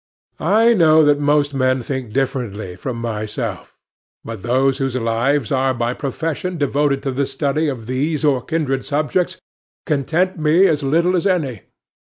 I know that most men think differently from myself; but those whose lives are by profession devoted to the study of these or kindred subjects content me as little as any.